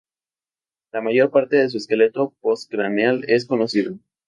La mayor parte de su esqueleto postcraneal es conocido.